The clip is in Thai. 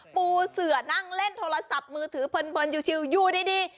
ปูเสือนั่งเล่นโทรศัพท์มือถือเพลินชิวอยู่ดี